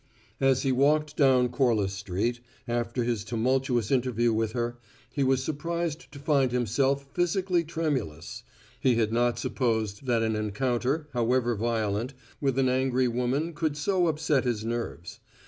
As he walked down Corliss Street, after his tumultuous interview with her, he was surprised to find himself physically tremulous: he had not supposed that an encounter, however violent, with an angry woman could so upset his nerves.